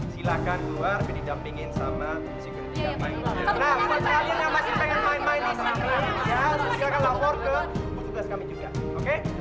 silahkan keluar jadi dampingin sama seguriti damai